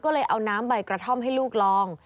ก็เลยเอาน้ำใบกระท่อมให้ลูกลอง